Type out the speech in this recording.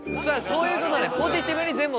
そういうことね。